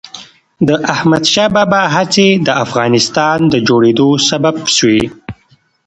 د احمد شاه بابا هڅې د افغانستان د جوړېدو سبب سوي.